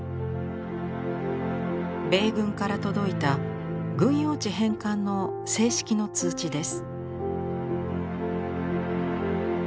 米軍から届いた軍用地返還の正式の通知です。